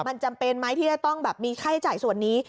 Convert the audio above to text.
มันจำเป็นไหมที่จะต้องแบบมีค่าใช้จ่ายส่วนนี้